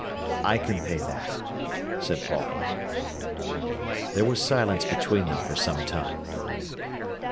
"I can pay that," said Paul. There was silence between them for some time.